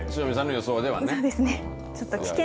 そうですね。